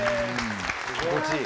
心地いい。